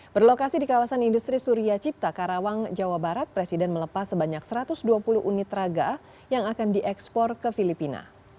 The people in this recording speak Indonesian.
berlokasi di kawasan industri surya cipta karawang jawa barat presiden melepas sebanyak satu ratus dua puluh unit raga yang akan diekspor ke filipina